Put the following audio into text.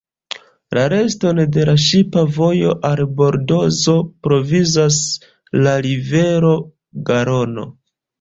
La reston de la ŝipa vojo al Bordozo provizas la rivero Garono.